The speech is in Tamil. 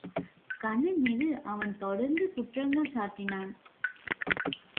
கண்ணன் மீது அவன் தொடர்ந்து குற்றங்கள் சாற்றி னான்.